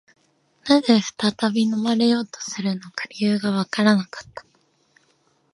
何故再び飲まれようとするのか、理由がわからなかった